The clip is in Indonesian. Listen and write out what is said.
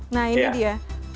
nah ini dia